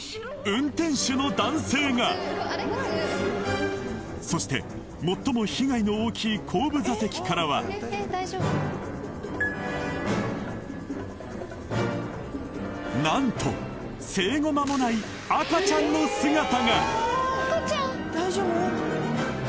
運転手の男性がそして最も被害の大きい後部座席からは何と生後間もない赤ちゃんの姿が！